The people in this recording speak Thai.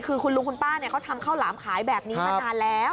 คือคุณลุงคุณป้าเขาทำข้าวหลามขายแบบนี้มานานแล้ว